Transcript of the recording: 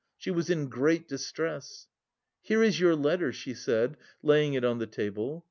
She was in great distress. "Here is your letter," she said, laying it on the table.